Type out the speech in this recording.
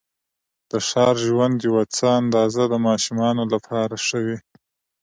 د ښار ژوند یوه څه اندازه د ماشومانو لپاره ښه وې.